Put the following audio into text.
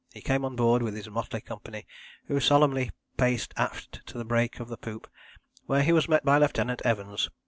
He came on board with his motley company, who solemnly paced aft to the break of the poop, where he was met by Lieutenant Evans.